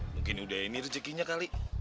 mungkin udah ini rezekinya kali